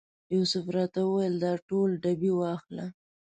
یوسف راته وویل دا ټول ډبې واخله.